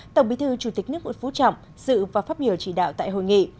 tổng bí thư chủ tịch nước nguyễn phú trọng dự và pháp hiểu chỉ đạo tại hội nghị